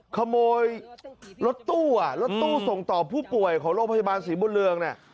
ขโมยรถตู้อ่ะรถตู้ส่งต่อผู้ป่วยของโรงพยาบาลศรีบุญเรืองเนี่ย